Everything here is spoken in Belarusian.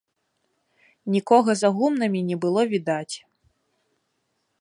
Нікога за гумнамі не было відаць.